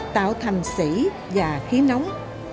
tạo thành xỉ và khí nóng